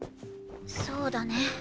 そうだね